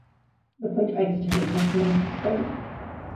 The point of exiting is what is known as the stoma.